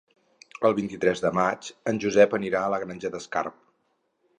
El vint-i-tres de maig en Josep anirà a la Granja d'Escarp.